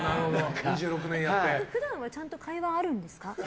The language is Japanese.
普段はちゃんと会話はあるんですか？